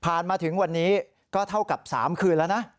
มาถึงวันนี้ก็เท่ากับ๓คืนแล้วนะ